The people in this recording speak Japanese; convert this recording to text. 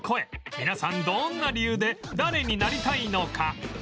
皆さんどんな理由で誰になりたいのか？